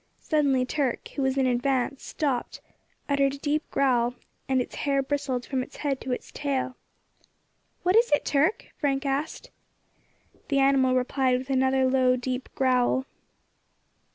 Suddenly Turk, who was in advance, stopped, uttered a deep growl, and its hair bristled from its head to its tail. "What is it, Turk?" Frank asked. The animal replied with another low, deep growl.